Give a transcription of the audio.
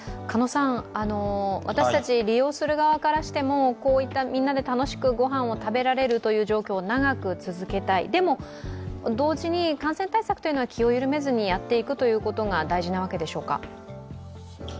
私たち、利用する側からしてもみんなで楽しくごはんを食べられる状況を長く続けたい、でも同時に、感染対策は気を緩めずにやっていくことが大事なんでしょうか？